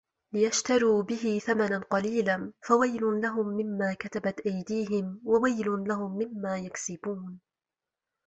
لِيَشْتَرُوا بِهِ ثَمَنًا قَلِيلًا ۖ فَوَيْلٌ لَهُمْ مِمَّا كَتَبَتْ أَيْدِيهِمْ وَوَيْلٌ لَهُمْ مِمَّا يَكْسِبُونَ